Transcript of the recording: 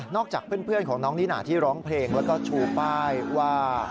จากเพื่อนของน้องนิน่าที่ร้องเพลงแล้วก็ชูป้ายว่า